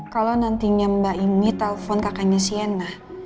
kalau nantinya mbak ini telpon kakaknya siena